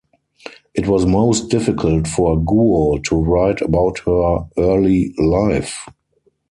It was most difficult for Guo to write about her early life.